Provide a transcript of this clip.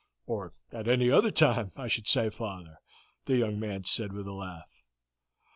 "Or at any other time, I should say, father," the young man said with a laugh.